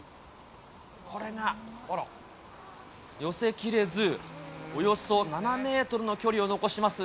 これが、寄せ切れず、およそ７メートルの距離を残します。